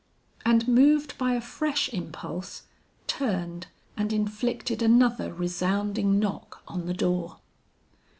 and moved by a fresh impulse, turned and inflicted another resounding knock on the door.